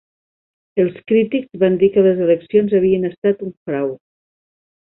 Els crítics van dir que les eleccions havien estat un frau.